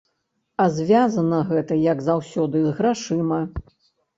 А звязана гэта, як заўсёды, з грашыма.